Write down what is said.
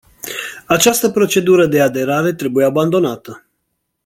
Această procedură de aderare trebuie abandonată.